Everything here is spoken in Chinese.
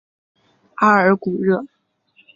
阿尔古热。